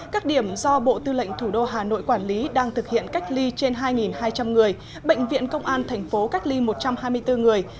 các điểm do bộ tư lệnh thủ đô hà nội quản lý đang thực hiện cách ly trên hai hai trăm linh người bệnh viện công an thành phố cách ly một trăm hai mươi bốn người